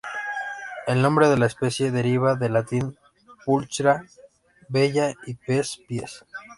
El nombre de la especie deriva del latín "pulchra" "bella" y "pes" "pies".